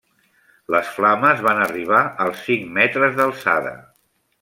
Les flames van arribar als cinc metres d'alçada.